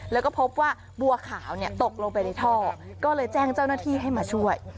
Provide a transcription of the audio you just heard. แล้วก็พบว่าบัวขาวตกลงไปในท่อก็เลยแจ้งเจ้าหน้าที่ให้มาช่วย